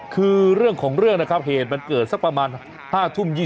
คือเรื่องของเรื่องนะครับเหตุมันเกิดสักประมาณ๕ทุ่ม๒๐